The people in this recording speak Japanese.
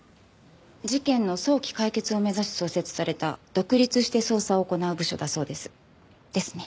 事件の早期解決を目指し創設された独立して捜査を行う部署だそうです。ですね？